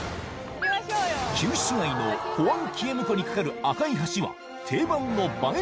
旧市街のホアンキエム湖に架かる赤い橋は定番の映え